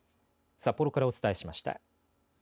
札幌からお伝えしました。